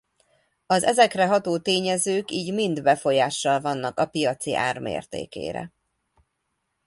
Az ezekre ható tényezők így mind befolyással vannak a piaci ár mértékére.